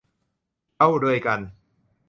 เข้าด้วยกัน